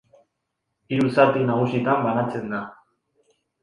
Hiru zati nagusitan banatzen da.